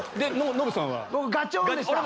ノブさんは？